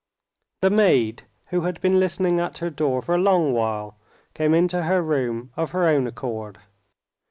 The maid, who had been listening at her door for a long while, came into her room of her own accord.